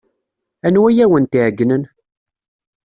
Anwa ay awent-iɛeyynen?